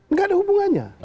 nggak ada hubungannya